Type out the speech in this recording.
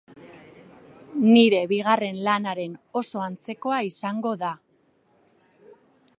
Nire bigarren lanaren oso antzekoa izango da.